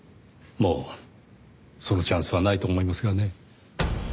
もうそのチャンスはないと思いますがね。